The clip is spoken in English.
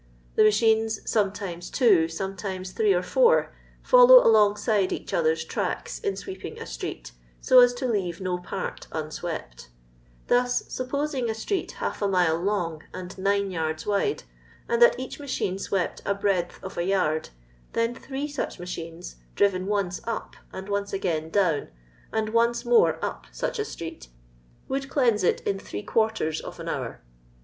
The machines, sometimes two, sometimes three or four, follow alongside each othei^s tracks in sweeping a street, 10 as to leave no part unswept Thus, supposing a street half a milB long and nine yards wide, and that each machine swept a breadth of a yard, then three such machines, driven once up, and onee again down, and once more up such a street. would cleanse it in three quarters of an hour.